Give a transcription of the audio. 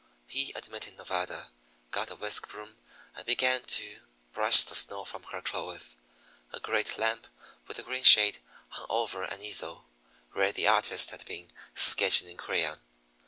He admitted Nevada, got a whisk broom, and began to brush the snow from her clothes. A great lamp, with a green shade, hung over an easel, where the artist had been sketching in crayon.